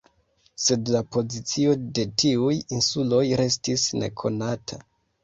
Sed la pozicio de tiuj insuloj restis nekonata.